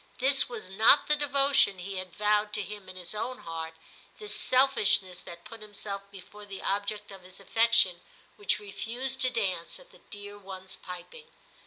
This was not the devotion he had vowed to him in his own heart, this selfish ness that put himself before the object of his 236 TIM CHAP. X affection, which refused to dance at the dear one's piping.